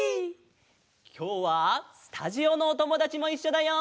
きょうはスタジオのおともだちもいっしょだよ！